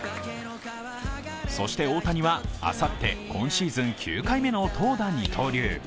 そして、大谷は、あさって今シーズン９回目の投打二刀流。